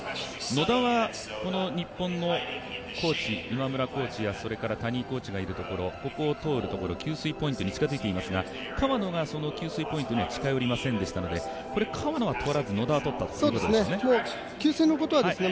野田は日本の今村コーチやそれから谷井コーチがいる給水ポイントに近づいていますが川野が給水ポイントには近寄りませんでしたので川野は取らずに野田は取ったということですね。